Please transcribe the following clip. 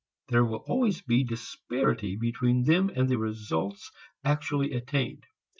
There will always be disparity between them and the results actually attained.